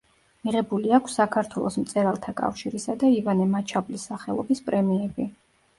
მიღებული აქვს საქართველოს მწერალთა კავშირისა და ივანე მაჩაბლის სახელობის პრემიები.